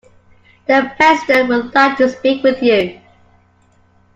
The President would like to speak with you.